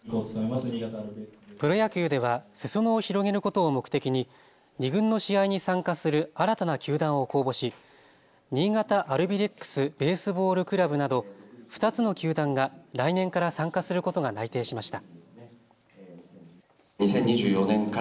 プロ野球ではすそ野を広げることを目的に２軍の試合に参加する新たな球団を公募し新潟アルビレックス・ベースボール・クラブなど２つの球団が来年から参加することが内定しました。